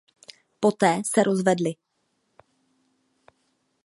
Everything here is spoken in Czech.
Poté se rozvedli.